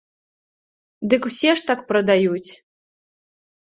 Дык усе ж так прадаюць.